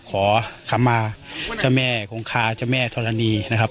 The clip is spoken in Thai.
ขอคำมาเจ้าแม่คงคาเจ้าแม่ธรณีนะครับ